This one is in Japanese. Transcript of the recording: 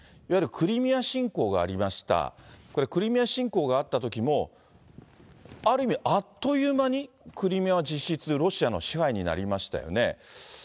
いわゆるクリミア侵攻がありました、クリミア侵攻があったときも、ある意味、あっという間に、クリミアは実質、ロシアの支配になりましたよね。